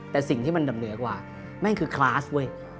แต่สิ่งที่มันดำเหนือกว่าแม่งคือคลาสเว้ย